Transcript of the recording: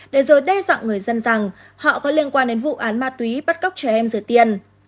để rồi đe dọa người dân rằng họ có liên quan đến vụ án ma túy bắt cóc trẻ em rửa tiền